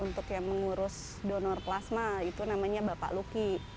untuk yang mengurus donor plasma itu namanya bapak luki